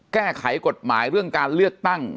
แก้ไขกฎหมายเรื่องการเลือกตั้ง